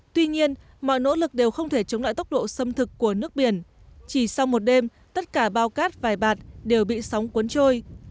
tuy nhiên mọi nỗ lực đều không thể chống lại tốc độ sâm thực của nước biển chỉ sau một đêm tất cả bao cát vài bạt đều bị sóng cuốn trôi